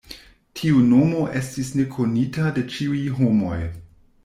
Tiu nomo estis nekonita de ĉiuj homoj.